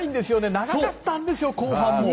長かったんですよ、後半。